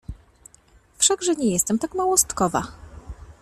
Wszakże nie jestem tak małostkowa!